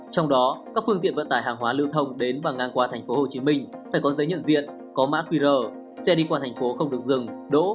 trong đó các phương tiện vận tải hàng hóa lưu thông đến và ngang qua thành phố hồ chí minh phải có giấy nhận diện có mã qr xe đi qua thành phố không được dừng đỗ